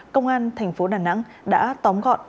công an thành phố đà nẵng đã tóm gọn